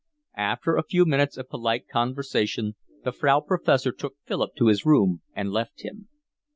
After a few minutes of polite conversation the Frau Professor took Philip to his room and left him.